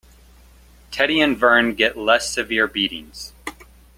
Teddy and Vern get less severe beatings.